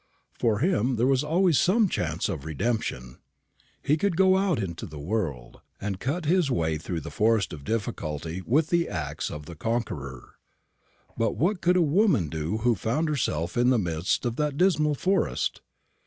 For him there was always some chance of redemption. He could go out into the world, and cut his way through the forest of difficulty with the axe of the conqueror. But what could a woman do who found herself in the midst of that dismal forest?